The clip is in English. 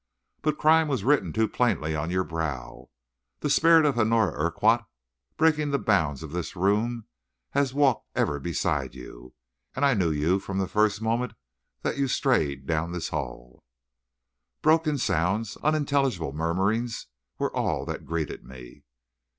But crime was written too plainly on your brow. The spirit of Honora Urquhart, breaking the bounds of this room, has walked ever beside you, and I knew you from the first moment that you strayed down this hall." Broken sounds, unintelligible murmurings, were all that greeted me.